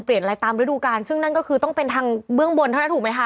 อะไรตามฤดูกาลซึ่งนั่นก็คือต้องเป็นทางเบื้องบนเท่านั้นถูกไหมคะ